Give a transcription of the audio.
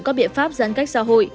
các biện pháp giãn cách xã hội